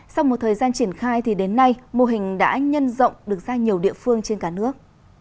sau một thời gian triển khai thì đến nay mô hình đã nhân rộng được ra nhiều địa phương trên cả nước